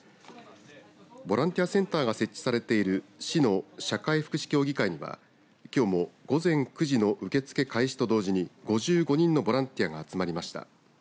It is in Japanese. ボランティアセンターが設置されている市の社会福祉協議会にはきょうも午前９時の受け付け開始と同時に５５人のボランティアが集まりました。